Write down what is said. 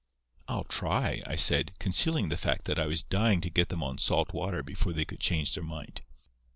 "'I'll try,' I said, concealing the fact that I was dying to get them on salt water before they could change their mind.